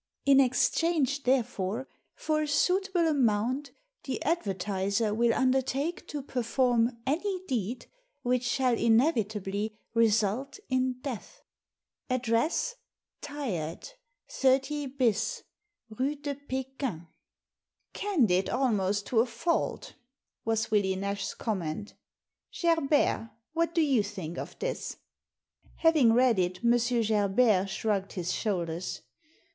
In ex change, therefore, for a suitable amount the advertiser will undertake to perform any deed which shall inevitably result in death. — Address, Tired, 30 bis. Rue de Pekin." " Candid almost to a fault," was Willie Nash's com ment " Gerbert, what do you think of this ?" Having read it, M. Gerbert shrugged his shoulders.